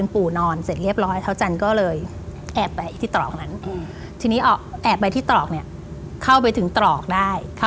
ประตูมันไม่ได้ล็อกค่ะ